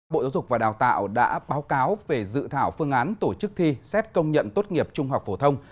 bộ giáo dục và đào tạo đã báo cáo về dự thảo phương án tổ chức thi xét công nhận tốt nghiệp trung học phổ thông